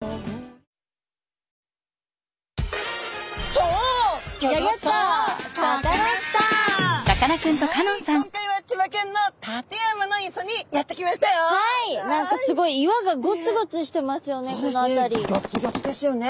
はい今回ははい何かすごい岩がゴツゴツしてますよね